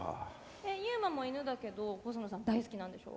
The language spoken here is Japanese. ユーマも犬だけど細野さん大好きなんでしょ？